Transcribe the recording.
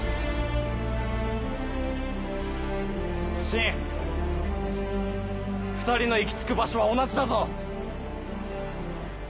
信２人の行き着く場所は同じだぞ！